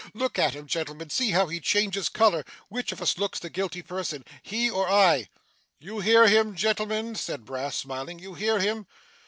Look at him, gentlemen! see how he changes colour. Which of us looks the guilty person he, or I?' 'You hear him, gentlemen?' said Brass, smiling, 'you hear him.